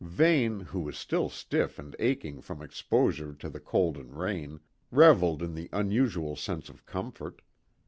Vane, who was still stiff and aching from exposure to the cold and rain, revelled in the unusual sense of comfort.